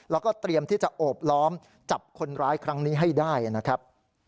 แล้วก็เตรียมที่จะโอบล้อมจับคนร้ายครั้งนี้ให้ได้นะครับ